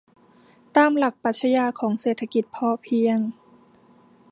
ตามหลักปรัชญาของเศรษฐกิจพอเพียง